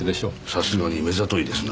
さすがに目ざといですな。